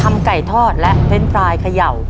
ทำไก่ทอดและเท้นปลายเขย่า